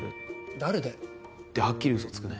誰だよ！ってはっきりウソつくね。